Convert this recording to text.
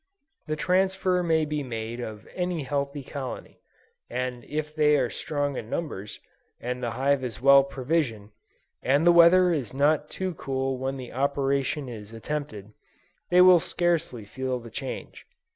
The transfer may be made of any healthy colony, and if they are strong in numbers, and the hive is well provisioned, and the weather is not too cool when the operation is attempted, they will scarcely feel the change.